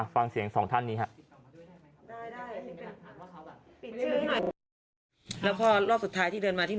ฟังเสียงสองท่านนี้ครับ